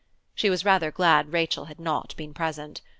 She was rather glad Rachel had not been present.